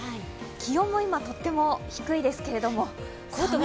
気温も今、とっても低いですけれども。